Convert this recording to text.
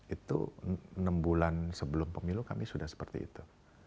itu enam bulan sebelum pemilu kami sudah seperti itu